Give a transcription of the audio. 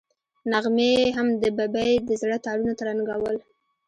نغمې هم د ببۍ د زړه تارونه ترنګول.